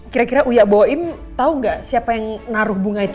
kira kira uyak bawahim tau gak siapa yang naruh bunga itu